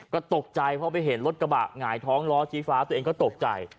ก็ตกใจเพราะไปเห็นรถกระบะหงายท้องล้อชี้ฟ้าตัวเองก็ตกใจ